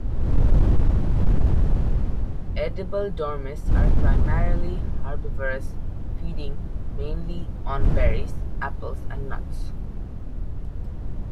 Edible dormice are primarily herbivorous, feeding mainly on berries, apples, and nuts.